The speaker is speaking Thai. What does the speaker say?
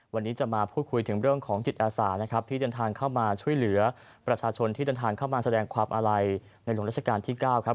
วันนี้จะมาพูดคุยถึงเรื่องของจิตอาสานะครับที่เดินทางเข้ามาช่วยเหลือประชาชนที่เดินทางเข้ามาแสดงความอาลัยในหลวงราชการที่๙ครับ